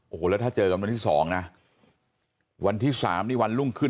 โอ้โหแล้วถ้าเจอกันวันที่๒นะวันที่๓นี่วันรุ่งขึ้น